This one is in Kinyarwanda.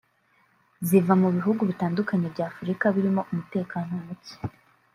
ziva mu bihugu bitandukanye by’Afurika birimo umutekano muke